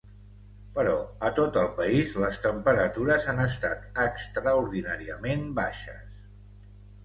Però a tot el país les temperatures han estat extraordinàriament baixes.